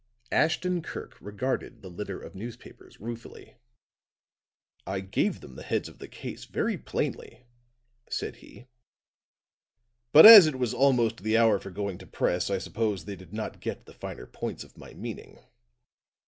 Ashton Kirk regarded the litter of newspapers ruefully: "I gave them the heads of the case very plainly," said he, "but as it was almost the hour for going to press, I suppose they did not get the finer points of my meaning.